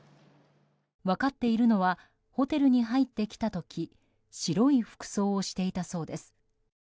分かっているのはホテルに入ってきた時白い服装をしていたそうです。